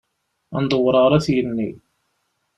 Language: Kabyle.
Ad ndewwer ɣer At Yanni.